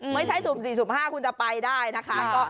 ไม่ใช่๐๔๐๕คุณจะไปได้นะคะ